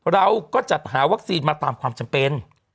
เราก็จัดหาวัคซีนมาตามความจำเป็น